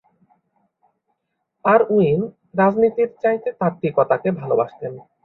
Irwin রাজনীতির চাইতে তাত্ত্বিকতাকে ভালোবাসতেন।